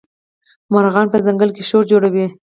مارغان په ځنګل کي شور جوړوي.